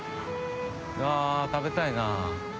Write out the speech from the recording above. うわ食べたいな。